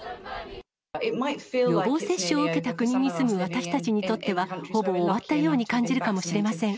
予防接種を受けた国に住む私たちにとっては、ほぼ終わったように感じるかもしれません。